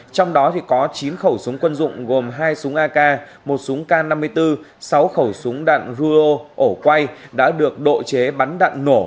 trong đó có chín khẩu súng quân dụng gồm hai súng ak một súng k năm mươi bốn sáu khẩu súng đạn ruo ổ quay đã được độ chế bắn đạn nổ